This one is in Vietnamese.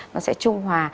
nó sẽ trung hòa